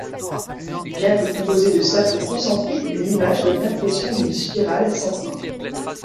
Bien que composée de cercles concentriques, l'image donne l'impression d'une spirale sans fin.